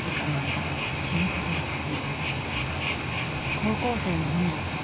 高校生の穂村さん